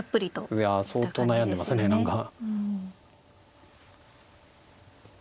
いや相当悩んでますね何か。